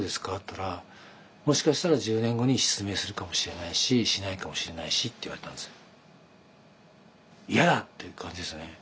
ったら「もしかしたら１０年後に失明するかもしれないししないかもしれないし」って言われたんですよ。